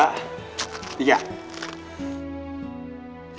makasih ya sayang